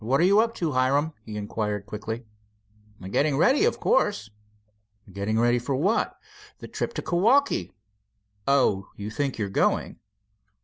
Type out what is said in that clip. "What are you up to, Hiram," he inquired quickly. "Getting ready, of course." "Getting ready for what?" "The trip to Kewaukee." "Oh, you think you're going?"